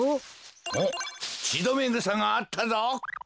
おっチドメグサがあったぞ。